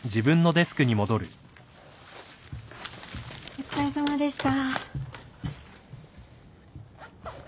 お疲れさまでした。